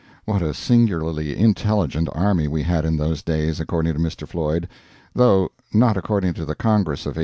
[What a singularly intelligent army we had in those days, according to Mr. Floyd though not according to the Congress of 1832.